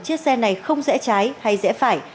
chiếc xe này không dễ trái hay dễ phải